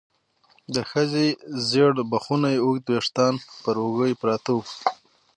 د ښځې ژېړ بخوني اوږده ويښتان پر اوږو يې پراته وو.